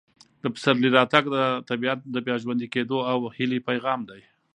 د پسرلي راتګ د طبیعت د بیا ژوندي کېدو او هیلې پیغام دی.